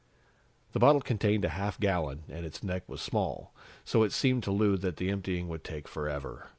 The bottle contained a half gallon, and its neck was small, so it seemed to Lou that the emptying would take forever.